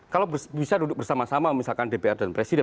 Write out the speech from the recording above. kalau bisa duduk bersama sama misalkan dpr dan presiden